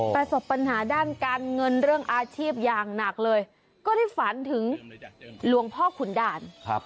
ประสบปัญหาด้านการเงินเรื่องอาชีพอย่างหนักเลยก็ได้ฝันถึงหลวงพ่อขุนด่าน